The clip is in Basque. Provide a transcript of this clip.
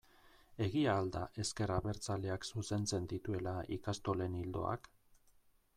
Egia al da ezker abertzaleak zuzentzen dituela ikastolen ildoak?